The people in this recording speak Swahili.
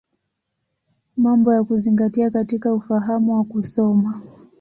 Mambo ya Kuzingatia katika Ufahamu wa Kusoma.